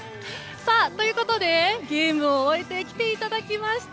ということで、ゲームを終えて来ていただきました。